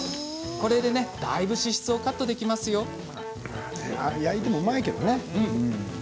これでねだいぶ脂質をカットできますよ焼いてもうまいけどね。